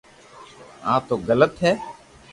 آ تو غلط ھي